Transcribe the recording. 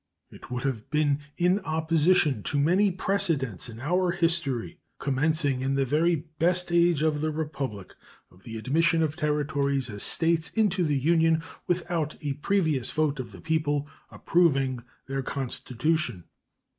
It would have been in opposition to many precedents in our history, commencing in the very best age of the Republic, of the admission of Territories as States into the Union without a previous vote of the people approving their constitution.